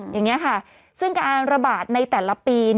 อย่างนี้ค่ะซึ่งการระบาดในแต่ละปี